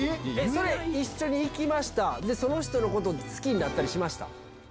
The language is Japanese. それ、一緒に行きました、で、その人のこと好きになったりしました？